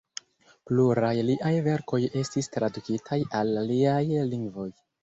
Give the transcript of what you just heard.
Pluraj liaj verkoj estis tradukitaj al aliaj lingvoj.